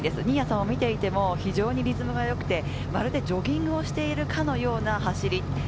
新谷さんを見ても、非常にリズムが良くてジョギングをしているかのような走り。